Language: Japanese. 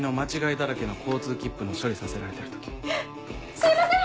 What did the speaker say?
すいません！